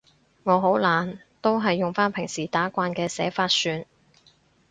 我好懶，都係用返平時打慣嘅寫法算